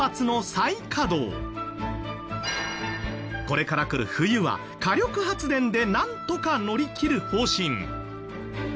これからくる冬は火力発電でなんとか乗り切る方針。